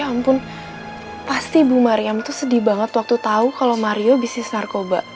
ya ampun pasti ibu mariam tuh sedih banget waktu tau kalau mario bisnis narkoba